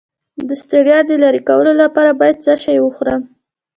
د ستړیا د لرې کولو لپاره باید څه شی وخورم؟